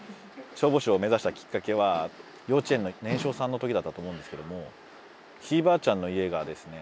消防士を目指したきっかけは幼稚園の年少さんの時だったと思うんですけどもひいばあちゃんの家がですね